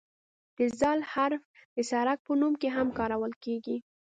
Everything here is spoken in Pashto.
د "ذ" حرف د سړک په نوم کې هم کارول کیږي.